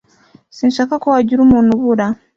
sinshaka ko hagira umuntu ubura.